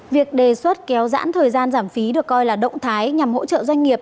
việc đề xuất kéo dãn thời gian giảm phí được coi là động thái nhằm hỗ trợ doanh nghiệp